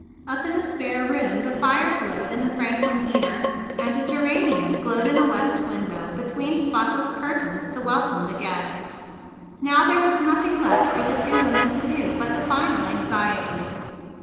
Up in the spare room the fire glowed in a Franklin heater, and a ge¬ ranium glowed in a west window be¬ tween spotless curtains to welcome the guest; and now there was nothing left for the two women to do but the final anxiety.